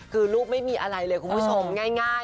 คือรูปไม่มีอะไรเลยคุณผู้ชมง่าย